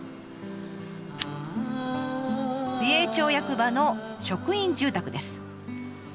美瑛町役場の職員住宅です。